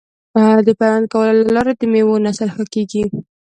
د پیوند کولو له لارې د میوو نسل ښه کیږي.